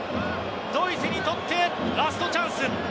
ドイツにとってラストチャンス。